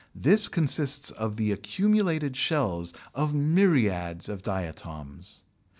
This consists of the accumulated shells of myriads of diatoms.